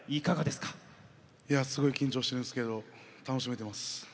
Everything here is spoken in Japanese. いやすごい緊張してるんですけど楽しめてます。